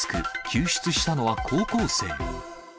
救出したのは高校生。